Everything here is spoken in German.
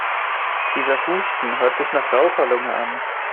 Dieser Husten hört sich nach Raucherlunge an.